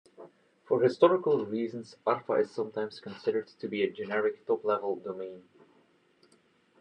For historical reasons, arpa is sometimes considered to be a generic top-level domain.